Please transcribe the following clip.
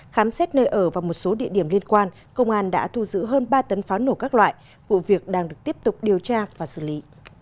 khám xét nơi ở và một số địa điểm liên quan công an đã thu giữ hơn ba tấn pháo nổ các loại vụ việc đang được tiếp tục điều tra và xử lý